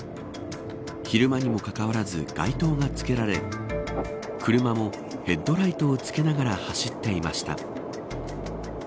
昼間にもかかわらず街灯がつけられ車もヘッドライトをつけながら走っていました。